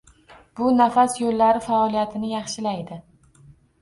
Bu nafas yo'llari faoliyatini yaxshilaydi.